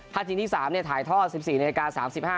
ถ้าชิงที่๓ถ่ายท่อ๑๔น๓๕น